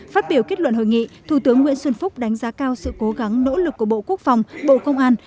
phát biểu kết luận hội nghị thủ tướng nguyễn xuân phúc đánh giá cao sự cố gắng nỗ lực của bộ quốc phòng bộ công an